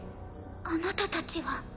あなたたちは。